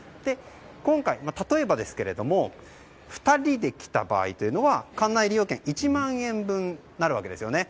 今回、例えばですが２人で来た場合というのは館内利用券が１万円分になるわけですよね。